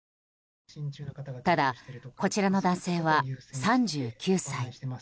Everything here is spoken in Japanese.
ただ、こちらの男性は３９歳。